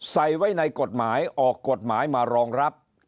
ใส่ไว้ในกฎหมายออกกฎหมายมารองรับ